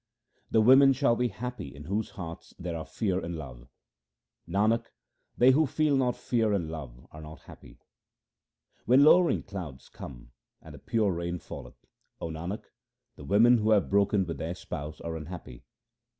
The women shall be happy in whose hearts there are fear and love. Nanak, they who feel not fear and love are not happy. When lowering clouds come and the pure rain falleth, O Nanak, the women who have broken with their spouse are unhappy.